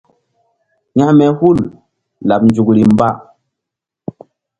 Hȩkme hul laɓ nzukri mba.